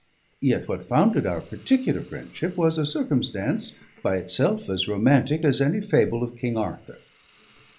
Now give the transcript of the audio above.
Yet what founded our particular friendship was a circumstance, by itself as romantic as any fable of King Arthur.